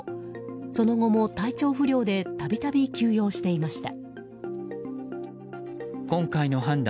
その後も体調不良で度々休養していました。